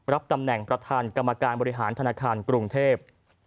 รับตำแหน่งประธานกรรมการบริหารธนาคารกรุงเทพ